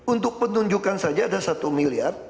untuk penunjukan saja ada satu miliar